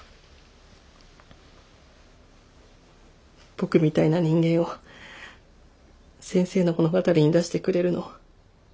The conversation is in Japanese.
僕みたいな人間を先生の物語に出してくれるの？